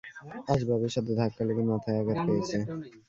আসবাবের সাথে ধাক্কা লেগে মাথায় আঘাত পেয়েছে।